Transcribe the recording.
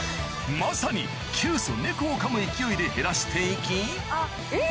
まさに窮鼠猫をかむ勢いで減らして行きえっ